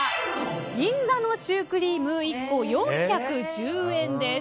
銀座のシュークリーム１個４１０円です。